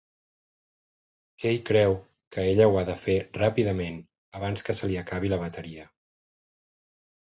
Key creu que ella ho ha de fer ràpidament abans que se li acabi la bateria.